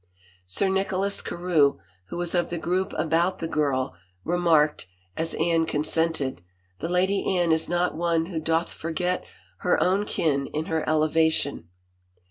" Sir Nicholas Carewe, who was of the group about the girl, remarked, as Anne consented, " The Lady Anne is not one who doth forget her own kin in her elevation."